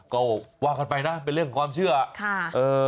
ก็ว่ากันไปนะเป็นเรื่องความเชื่อค่ะเออ